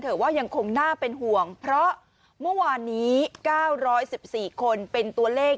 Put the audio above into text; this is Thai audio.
ว่ายังคงน่าเป็นห่วงเพราะเมื่อวานนี้๙๑๔คนเป็นตัวเลข